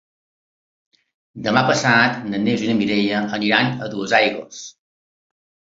Demà passat na Neus i na Mireia iran a Duesaigües.